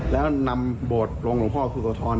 แล้วนำโบสถ์ลงหลวงพ่อครูโสธร